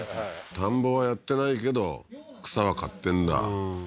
田んぼはやってないけど草は刈ってんだうん